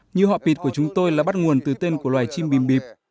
như họ pịt của chúng tôi là bắt nguồn từ tên của loài chim bìm bịp